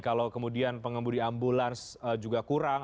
kalau kemudian pengembudi ambulans juga kurang